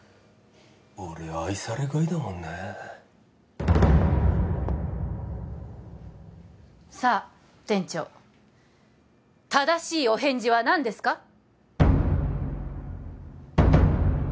俺愛されガイだもんなさあ店長正しいお返事は何ですか？